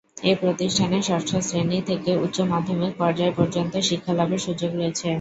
এ প্রতিষ্ঠানে ষষ্ঠ শ্রেণী থেকে উচ্চ মাধ্যমিক পর্যায় পর্যন্ত শিক্ষালাভের সুযোগ রয়েছে।